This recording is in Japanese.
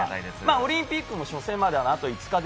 オリンピックの初戦まであと５日。